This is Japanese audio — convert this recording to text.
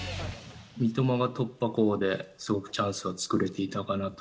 三笘が突破口で、すごくチャンスは作れていたかなと。